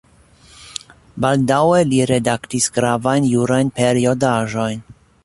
Baldaŭe li redaktis gravajn jurajn periodaĵojn.